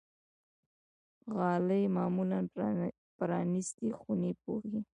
غالۍ معمولا پرانيستې خونې پوښي.